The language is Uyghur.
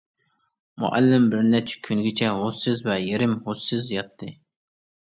مۇئەللىم بىر نەچچە كۈنگىچە ھوشسىز ۋە يېرىم ھوشسىز ياتتى.